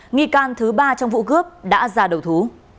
nghi can thứ ba trong vụ cướp đã ra đầu thú